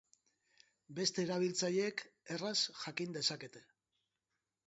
Beste erabiltzaileek erraz jakin dezakete.